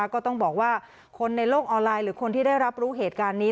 ก็ต้องบอกว่าคนในโลกออนไลน์หรือคนที่ได้รับรู้เหตุการณ์นี้